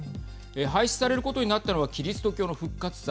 廃止されることになったのはキリスト教の復活祭。